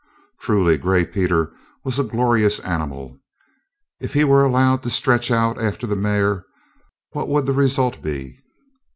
Truly, Gray Peter was a glorious animal! If he were allowed to stretch out after the mare, what would the result be?